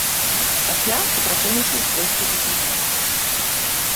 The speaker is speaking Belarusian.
Пасля супрацоўнічаў з польскай дэфензівай.